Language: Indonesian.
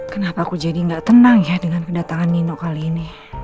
kenapa aku jadi gak tenang ya dengan kedatangan nino kali ini